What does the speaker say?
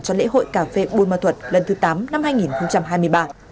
cho lễ hội cà phê bùn mơ thuật lần thứ tám năm hai nghìn hai mươi ba